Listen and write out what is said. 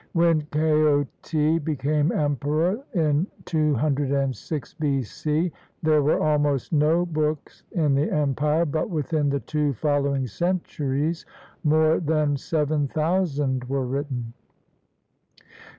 When Kaoti became emperor, in 206 B.C., there were almost no books in the empire, but within the two following centuries more than seven thou sand were written.